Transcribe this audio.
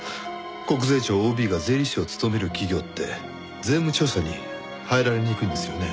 国税庁ＯＢが税理士を務める企業って税務調査に入られにくいんですよね。